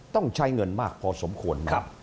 ต้องใช้เงินมากพอสมควรนะครับ